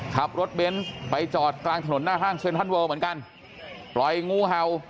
ขับรถเบนส์ไปจอดกลางถนนหน้าห้างเซ็นทรัลเวิลเหมือนกันปล่อยงูเห่า